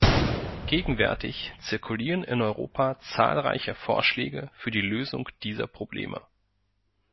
Gegenwärtig zirkulieren in Europa zahlreiche Vorschläge für die Lösung dieser Probleme.